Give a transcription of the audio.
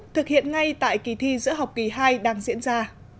thực hiện ngay tại kỳ thi giữa học kỳ hai đang diễn ra